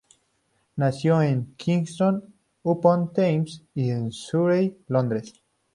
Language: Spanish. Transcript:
Nació en Kingston upon Thames, en Surrey, Londres.